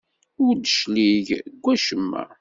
Ur d-yeclig deg wacemma.